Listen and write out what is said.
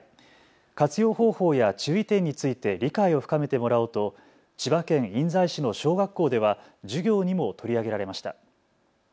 活用方法や注意点について理解を深めてもらおうと千葉県印西市の小学校では授業にも取り上げられました。